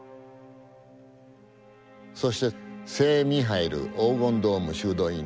そして聖ミハイル黄金ドーム修道院。